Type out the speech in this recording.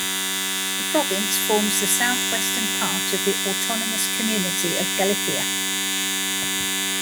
The province forms the southwestern part of the autonomous community of Galicia.